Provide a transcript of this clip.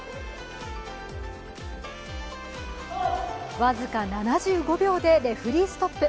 僅か７５秒でレフリーストップ。